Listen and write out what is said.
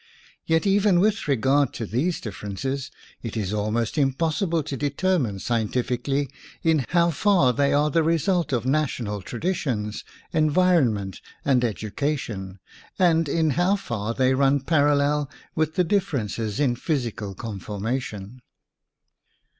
Yet even with regard to these differences, it is almost impossible to determine scientifically in how far they are the result of na tional traditions, environment, and ed WOMAN AND WAR ucation, and in how far they run paral lel with the differences in physical con formation.